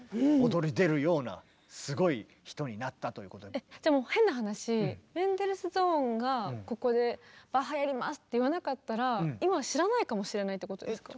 今やじゃあもう変な話メンデルスゾーンがここで「バッハやります」って言わなかったら今知らないかもしれないってことですか。